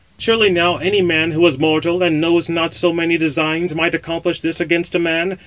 Surely now any man who is mortal, and knows not so many designs, might accomplish this against a man.